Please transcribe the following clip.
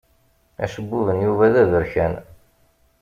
Acebbub n Yuba d aberkan.